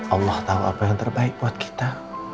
allah tahu apa yang terbaik buat kita